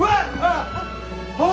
ああ！